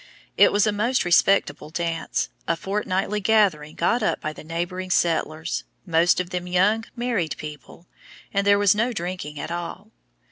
It was a most respectable dance, a fortnightly gathering got up by the neighboring settlers, most of them young married people, and there was no drinking at all.